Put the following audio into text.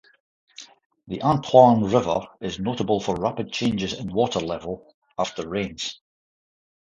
The Antoine River is notable for rapid changes in water level after rains.